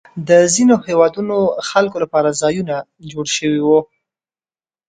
د ځینو هېوادونو خلکو لپاره ځایونه جوړ شوي وو.